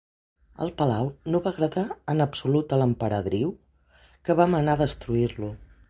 El palau no va agradar en absolut a l'emperadriu, que va manar destruir-lo.